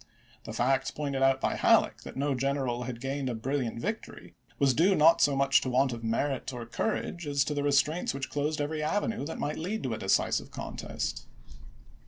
The fact pointed out by Halleck, that no general had gained a brilliant victory, was due not so much to want of merit or courage as to the re straints which closed every avenue that might lead to a decisive contest.